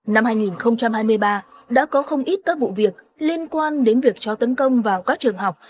năm hai nghìn hai mươi ba đã có không ít các vụ việc liên quan đến việc chó tấn công vào các trường học